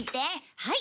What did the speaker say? はい。